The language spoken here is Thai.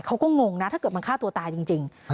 งงนะถ้าเกิดมันฆ่าตัวตายจริง